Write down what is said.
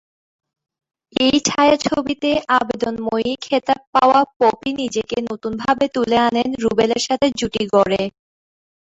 এই ছায়াছবিতে আবেদনময়ী খেতাব পাওয়া পপি নিজেকে নতুন ভাবে তুলে আনেন রুবেল এর সাথে জুটি গড়ে।